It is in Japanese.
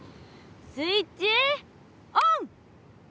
スイッチオン！